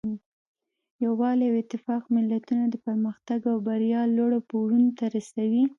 یووالی او اتفاق ملتونه د پرمختګ او بریا لوړو پوړونو ته رسوي.